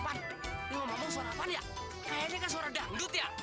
ipan lu ngomong suara apaan ya kayaknya kan suara dangdut ya